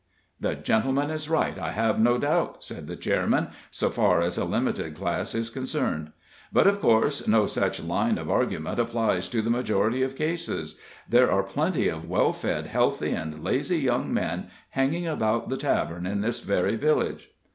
"The gentleman is right, I have no doubt," said the Chairman, "so far as a limited class is concerned, but of course no such line of argument applies to the majority of cases. There are plenty of well fed, healthy, and lazy young men hanging about the tavern in this very village."